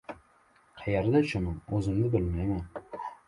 Qayerga tushaman, o‘zim-da bilmayman.